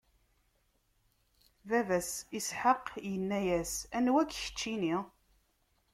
Baba-s Isḥaq inna-yas: Anwa-k, keččini?